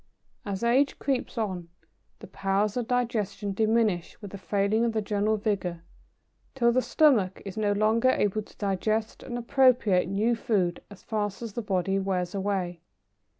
"As age creeps on, the powers of digestion diminish with the failing of the general vigour, till the stomach is no longer able to digest and appropriate new food as fast as the body wears away.